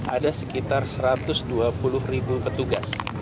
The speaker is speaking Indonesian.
ada sekitar satu ratus dua puluh ribu petugas